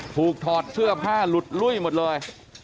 ถอดเสื้อผ้าหลุดลุ้ยหมดเลย